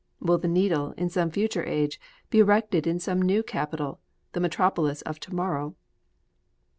Will the Needle, in some future age, be erected in some new capital in the metropolis of To morrow?